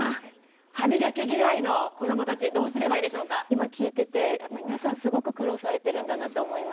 今聞いてて皆さんすごく苦労されてるんだなと思いました。